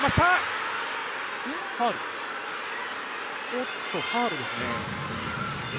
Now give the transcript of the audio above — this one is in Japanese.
おっと、ファウルですね。